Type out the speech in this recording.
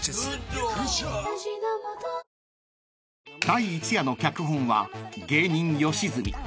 ［第一夜の脚本は芸人吉住］